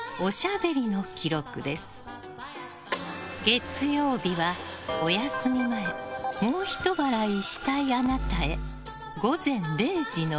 月曜日は、お休み前もうひと笑いしたいあなたへ。